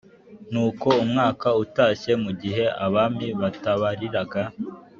Nuko umwaka utashye mu gihe abami batabariraga